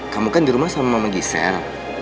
kamu kan di rumah sama mama gisel